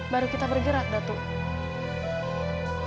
baru kita bergerak datuk